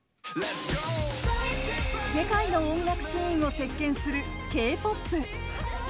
世界の音楽シーンを席けんするＫ‐ＰＯＰ。